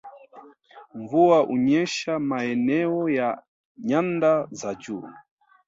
Mvua hunyesha maeneo ya nyanda za juu